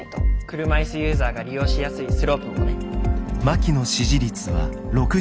車いすユーザーが利用しやすいスロープもね。